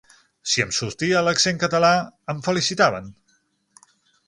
Si em sortia l'accent català, em felicitaven.